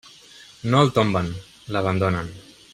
No el tomben, l'abandonen.